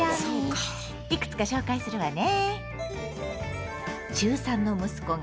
いくつか紹介するわね。